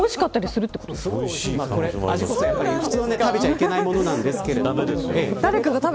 普通は食べちゃいけないものなんですけどね。